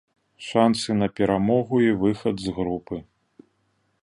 Шансы на перамогу і выхад з групы.